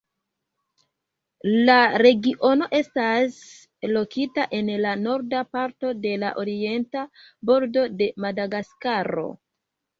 La regiono estas lokita en la norda parto de la orienta bordo de Madagaskaro.